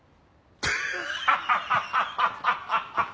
ハハハハッ！